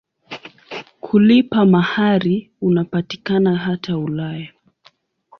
Kulipa mahari unapatikana hata Ulaya.